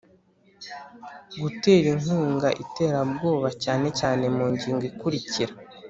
Gutera inkunga iterabwoba cyane cyane mu ngingo ikurikira